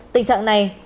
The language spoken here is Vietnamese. tình trạng này